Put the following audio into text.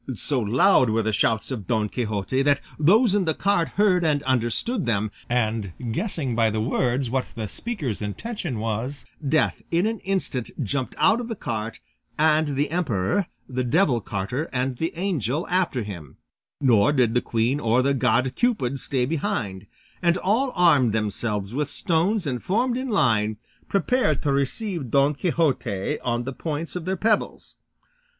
So loud were the shouts of Don Quixote, that those in the cart heard and understood them, and, guessing by the words what the speaker's intention was, Death in an instant jumped out of the cart, and the emperor, the devil carter and the angel after him, nor did the queen or the god Cupid stay behind; and all armed themselves with stones and formed in line, prepared to receive Don Quixote on the points of their pebbles.